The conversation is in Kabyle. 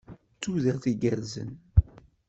D tudert igerrzen.